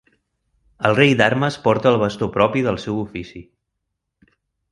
El Rei d'Armes porta el bastó propi del seu ofici.